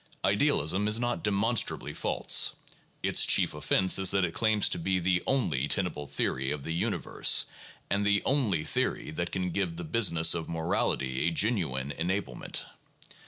Idealism is not demonstrably false; its chief offense is that it claims to be the only tenable theory of the universe and the only theory that can give the business of morality a genuine enablement.